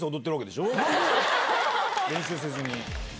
練習せずに。